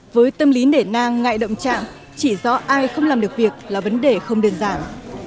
với tâm lý nể nang ngại động chạm chỉ do ai không làm được việc là vấn đề không đơn giản